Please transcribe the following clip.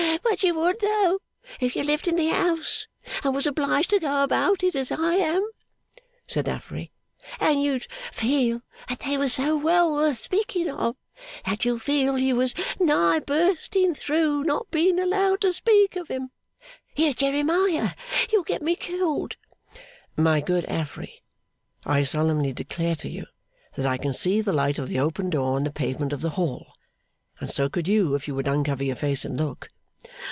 But you would, though, if you lived in the house, and was obliged to go about it as I am,' said Affery; 'and you'd feel that they was so well worth speaking of, that you'd feel you was nigh bursting through not being allowed to speak of 'em. Here's Jeremiah! You'll get me killed.' 'My good Affery, I solemnly declare to you that I can see the light of the open door on the pavement of the hall, and so could you if you would uncover your face and look.